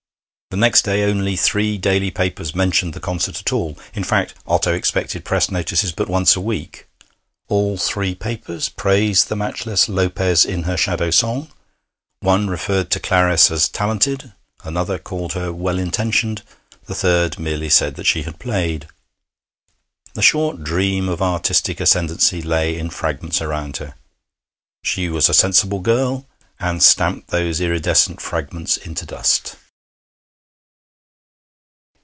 The next day only three daily papers mentioned the concert at all. In fact, Otto expected press notices but once a week. All three papers praised the matchless Lopez in her Shadow Song. One referred to Clarice as talented; another called her well intentioned; the third merely said that she had played. The short dream of artistic ascendancy lay in fragments around her. She was a sensible girl, and stamped those iridescent fragments into dust.